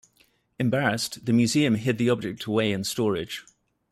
Embarrassed, the museum hid the object away in storage.